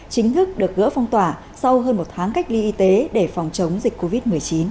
chính thức được gỡ phong tỏa sau hơn một tháng cách ly y tế để phòng chống dịch covid một mươi chín